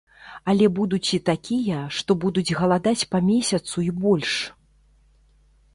Але будуць і такія, што будуць галадаць па месяцу і больш.